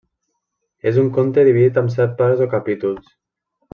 És un conte dividit en set parts o capítols.